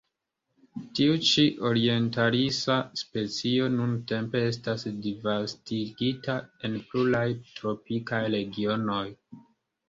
Tiu ĉi orientalisa specio nuntempe estas disvastigita en pluraj tropikaj regionoj.